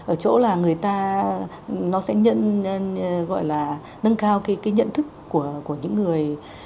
ở chỗ là người ta nó sẽ nhận gọi là nâng cao cái nhận thức của những người